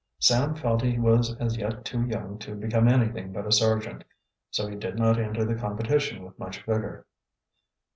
Sam felt he was as yet too young to become anything but a sergeant, so he did not enter the competition with much vigor.